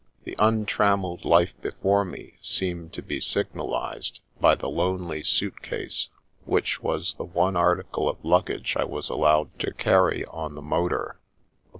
The untrammelled life before me seemed to be signalised by the lonely suit case which was the one article of luggage I was allowed to carry on the 1 6 The Princess Passes motor.